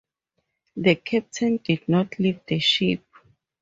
The captain did not leave the ship.